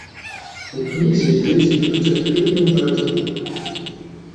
У кнізе дзеці вядуць актыўную барацьбу.